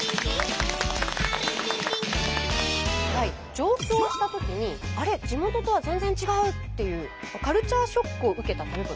上京したときに「あれ？地元とは全然違う！」っていうカルチャーショックを受けた食べ物。